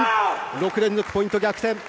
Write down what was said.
６連続ポイント、逆転！